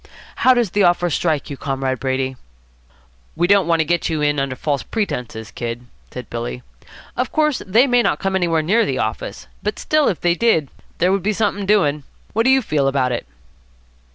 How does the offer strike you, Comrade Brady?" "We don't want to get you in under false pretences, Kid," said Billy. "Of course, they may not come anywhere near the office. But still, if they did, there would be something doing. What do you feel about it?"